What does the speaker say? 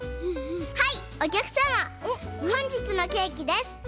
はいおきゃくさまほんじつのケーキです。